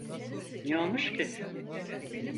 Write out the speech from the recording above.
Ne olmuş ki?